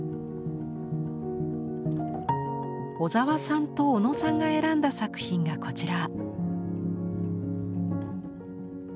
小沢さんと小野さんが選んだ作品がこちら。